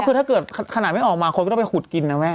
คือถ้าเกิดขนาดไม่ออกมาคนก็ต้องไปขุดกินนะแม่